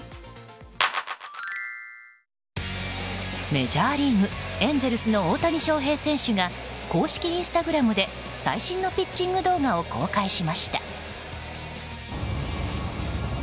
メジャーリーグエンゼルスの大谷翔平選手が公式インスタグラムで最新のピッチング動画を公開しました。